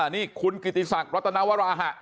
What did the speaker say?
นี่คุณกิติศักดิ์รัตนวราหะ